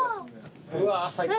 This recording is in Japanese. うわー最高！